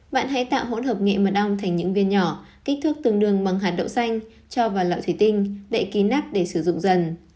bạn hãy tạo hỗn hợp nghệ mật ong thành những viên nhỏ kích thước tương đương bằng hạt đậu xanh cho vào lọ thủy tinh đệ ký nắp để sử dụng dần